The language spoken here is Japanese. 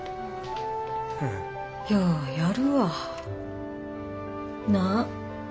ようやるわ。なあ？